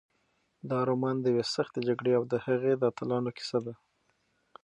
دا رومان د یوې سختې جګړې او د هغې د اتلانو کیسه ده.